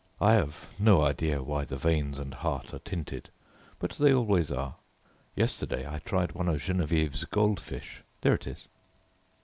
"I have no idea why the veins and heart are tinted, but they always are. Yesterday I tried one of Geneviève's gold fish, there it is."